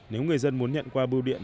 nếu người dân muốn nhận qua bưu điện